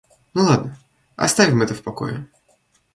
Ну ладно, оставим это в покое.